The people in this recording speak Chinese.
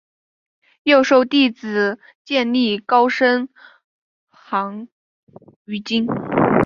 又授弟子觅历高声梵呗于今。